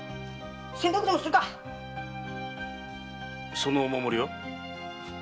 そのお守りは？